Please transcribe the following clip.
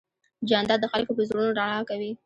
جانداد د خلکو په زړونو رڼا کوي.